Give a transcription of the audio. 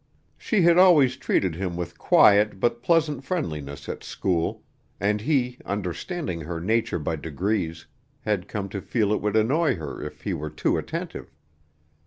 She had always treated him with quiet but pleasant friendliness at school, and he, understanding her nature by degrees, had come to feel it would annoy her if he were too attentive.